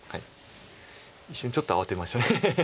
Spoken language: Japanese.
一瞬ちょっと慌てました。